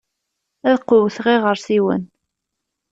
Ad qewwteɣ iɣeṛsiwen.